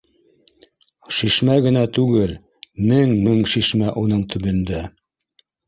— Шишмә генә түгел, мең-мең шишмә уның төбөндә